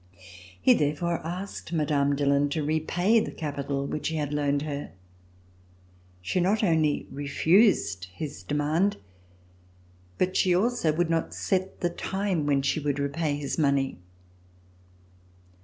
He therefore asked Mme. Dillon to repay the capital which he had loaned her. She not only refused his demand, but she also would not set the time when she would repay his money.